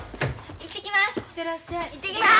行ってきます！